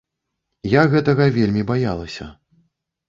Я гэтага вельмі баялася.